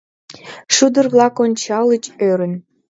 Шӱдыр-влак ончальыч ӧрын